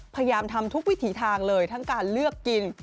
พยายามทำทุกวิถีทางเลยทั้งการเลือกกิน